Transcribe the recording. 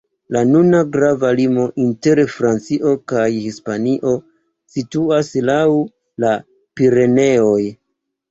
La nuna grava limo inter Francio kaj Hispanio situas laŭ la Pireneoj.